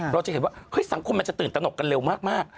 เราจะเห็นว่าเฮ้ยสังคมมันจะตื่นตนกกันเร็วมาก